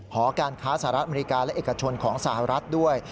หอการค้าสหรัฐอเมริกาและเอกชนของสหรัฐด้วย